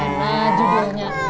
ini gimana judulnya